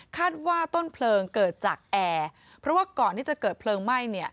คาดว่าต้นเพลิงเกิดจากแอร์เพราะว่าก่อนที่จะเกิดเพลิงไหม้เนี่ย